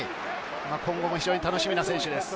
今後も非常に楽しみな選手です。